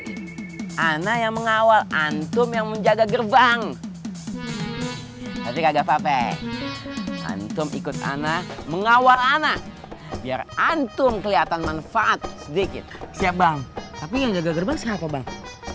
terbalik ana yang mengawal antum yang menjaga gerbang tapi kagak pape antum ikut ana mengawal ana biar antum kelihatan manfaat sedikit siap bang tapi yang jaga gerbang siapa bang